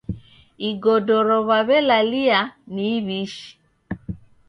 Igodoro w'aw'elalia ni iw'ishi.